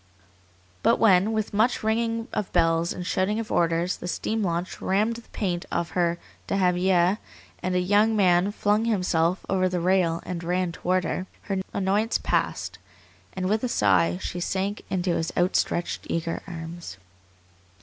But when, with much ringing of bells and shouting of orders, the steam launch rammed the paint off her dahabiyeh, and a young man flung himself over the rail and ran toward her, her annoyance passed, and with a sigh she sank into his outstretched, eager arms.